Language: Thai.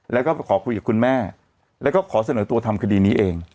แล้วก็ขอคุยกับคุณแม่แล้วก็ขอเสนอตัวทำคดีนี้เอง